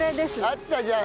あったじゃん！